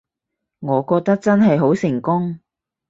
我覺得真係好成功